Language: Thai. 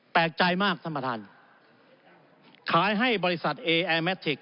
แปลกใจมากท่านประธานขายให้บริษัทเอแอร์แมททิก